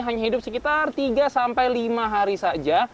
hanya hidup sekitar tiga sampai lima hari saja